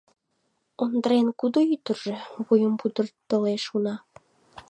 «Ондрен кудо ӱдыржӧ? — вуйым пудыратылеш уна.